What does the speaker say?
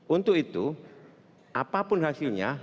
untuk itu apapun hasilnya